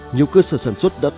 nhiều cơ sở sản xuất đất